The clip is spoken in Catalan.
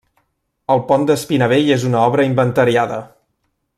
El Pont d'Espinavell és una obra inventariada.